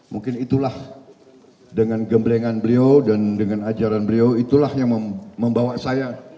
mungkin itulah dengan gemblengan beliau dan dengan ajaran beliau itulah yang membawa saya